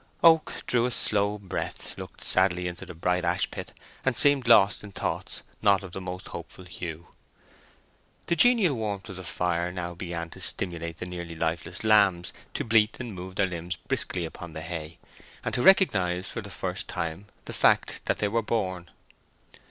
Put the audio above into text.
Oak drew a slow breath, looked sadly into the bright ashpit, and seemed lost in thoughts not of the most hopeful hue. The genial warmth of the fire now began to stimulate the nearly lifeless lambs to bleat and move their limbs briskly upon the hay, and to recognize for the first time the fact that they were born.